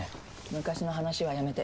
昔の話はやめて。